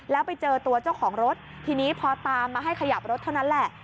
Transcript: แล้วไปเจอตัวเจ้าของรถทีนี้พอตามมาให้ขยับรถเท่านั้นแหละ